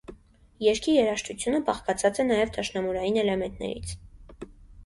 Երգի երաժշտությունը բաղկացած է նաև դաշնամուրային էլեմենտներից։